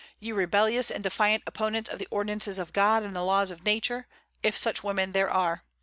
ye rebellious and defiant opponents of the ordinances of God and the laws of Nature, if such women there are!